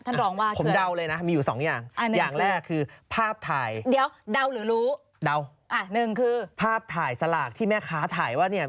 ท่านรองบ๊าเชื่ออย่างหนึ่งคือพาปถายสลากที่แม่ค้าถ่ายว่านี่